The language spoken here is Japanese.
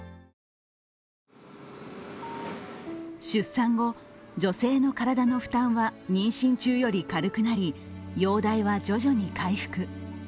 出産後、女性の体の負担は妊娠中より軽くなり容体は徐々に回復。